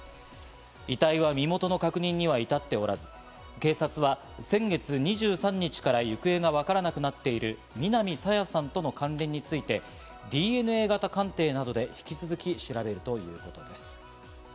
遺体は身元の確認には至っておらず、警察は先月２３日から行方がわからなくなっている南朝芽さんとの関連について、ＤＮＡ型鑑定などで引き続き調べるということです。